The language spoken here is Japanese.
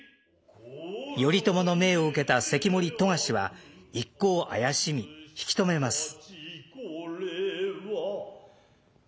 頼朝の命を受けた関守富樫は一行を怪しみ引き止めます。